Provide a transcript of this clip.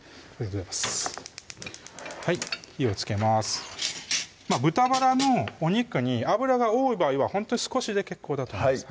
火をつけます豚バラのお肉に脂が多い場合はほんとに少しで結構だと思います